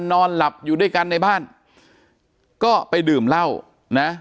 นอนหลับอยู่ด้วยกันในบ้านก็ไปดื่มเหล้านะ